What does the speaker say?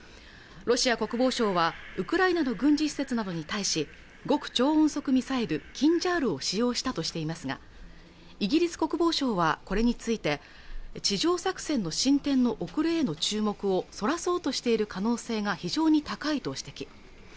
ロシア国防省はウクライナの軍事施設などに対し極超音速ミサイル・キンジャールを使用したとしていますがイギリス国防省はこれについて地上作戦の進展の遅れへの注目をそらそうとしている可能性が非常に高いと指摘